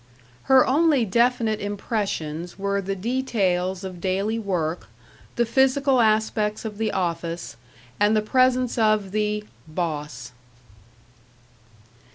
Her only definite impressions were the details of daily work, the physical aspects of the office, and the presence of the "Boss."